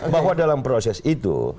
bahwa dalam proses itu